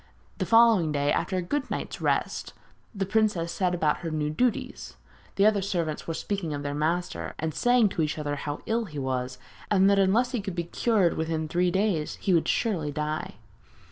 The following day, after a good night's rest, the princess set about her new duties. The other servants were speaking of their master, and saying to each other how ill he was, and that unless he could be cured within three days he would surely die.